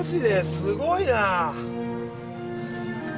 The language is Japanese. すごいな！